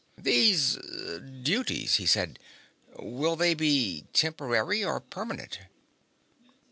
"These duties," he said. "Will they be temporary or permanent?"